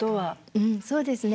うんそうですね。